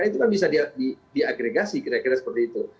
itu kan bisa diagregasi kira kira seperti itu